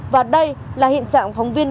và đây là hiện trạng phóng viên